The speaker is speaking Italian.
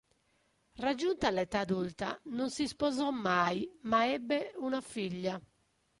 Raggiunta l'età adulta non si sposò mai ma ebbe una figlia.